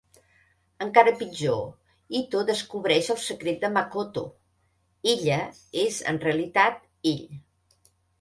Encara pitjor, Ito descobreix el secret de Makoto: "ella" és en realitat "ell".